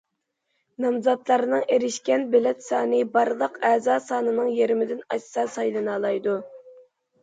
نامزاتلارنىڭ ئېرىشكەن بېلەت سانى بارلىق ئەزا سانىنىڭ يېرىمىدىن ئاشسا سايلىنالايدۇ.